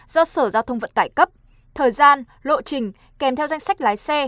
do sở giao thông vận tải cấp thời gian lộ trình kèm theo danh sách lái xe